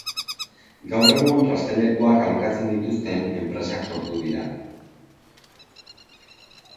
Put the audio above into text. Gaur egun trastelekuak alokatzen dituzten enpresak sortu dira.